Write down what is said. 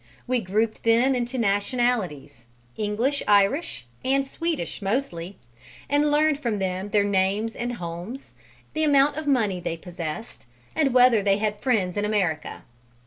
We grouped them into nationalities, English Irish, and Swedish mostly, and learnt from them their names and homes, the amount of money they possessed, and whether they had friends in America.